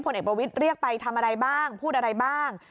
เอกประวิทย์เรียกไปทำอะไรบ้างพูดอะไรบ้าง